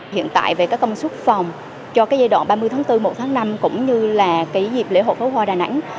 hiện tại về các công suất phòng cho cái giai đoạn ba mươi bốn một năm cũng như là cái dịp lễ hội phó hoa đà nẵng